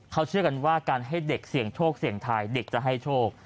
เขาเชื่อกันว่าการให้เด็กเสี่ยงโชคเสี่ยงทายเด็กจะให้โชค